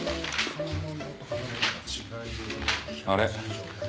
あれ？